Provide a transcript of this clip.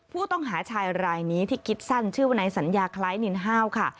ผู้ต้องหาชายรายนี้ที่คิดสั้นชื่อวนายสัญญาคล้ายนินห้าวค่ะ